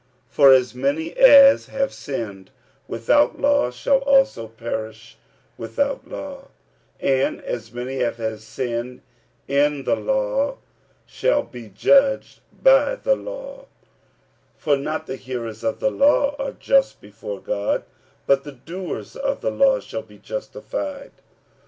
45:002:012 For as many as have sinned without law shall also perish without law: and as many as have sinned in the law shall be judged by the law; 45:002:013 (For not the hearers of the law are just before God, but the doers of the law shall be justified.